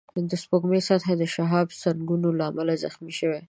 د سپوږمۍ سطحه د شهابسنگونو له امله زخمي شوې